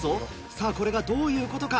さぁこれがどういうことか？